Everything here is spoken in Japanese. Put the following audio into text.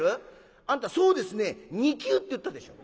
『そうですね２級』って言ったでしょ。